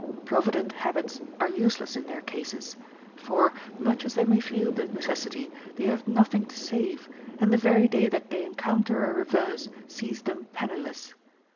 Provident habits are useless in their cases; for, much as they may feel the necessity, they have nothing to save, and the very day that they encounter a reverse sees them penniless.